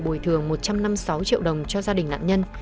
bồi thường một trăm năm mươi sáu triệu đồng cho gia đình nạn nhân